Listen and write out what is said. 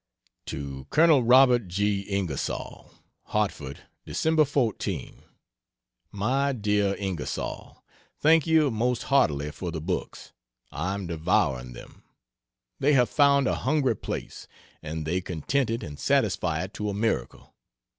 To Col. Robert G. Ingersoll: HARTFORD, Dec. 14. MY DEAR INGERSOLL, Thank you most heartily for the books I am devouring them they have found a hungry place, and they content it and satisfy it to a miracle.